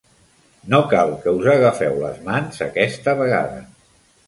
No cal que us agafeu les mans, aquesta vegada.